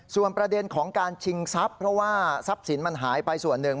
ส่วนประเด็นของการชิงทรัพย์เพราะว่าทรัพย์สินมันหายไปส่วนหนึ่ง